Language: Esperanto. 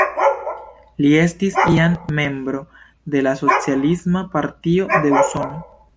Li estis iam membro de la Socialisma Partio de Usono.